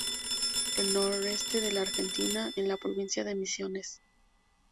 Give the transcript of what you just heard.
En el noreste de la Argentina en la provincia de Misiones.